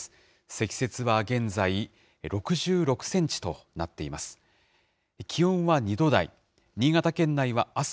積雪は現在、６６センチとなっています。